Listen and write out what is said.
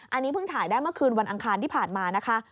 อันนี้เพิ่งถ่ายได้เมื่อคืนวันอังคารที่ผ่านมานะคะ